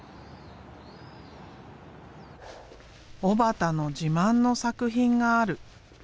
小幡の自慢の作品がある。